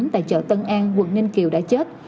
tại chợ tân an quận ninh kiều đã chết